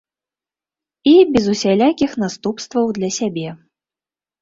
І без усялякіх наступстваў для сябе.